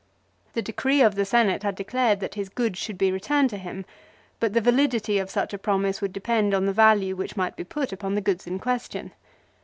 The decree of the Senate had declared that his goods should be returned to him, but the HIS RETURN FROM EXILE. 13 validity of such a promise would depend on the value which might be put upon the goods in question.